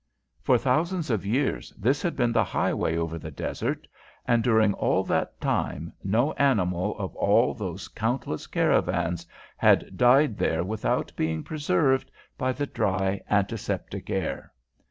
For thousands of years this had been the highway over the desert, and during all that time no animal of all those countless caravans had died there without being preserved by the dry, antiseptic air.